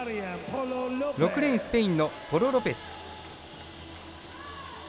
６レーン、スペインのポロロペス。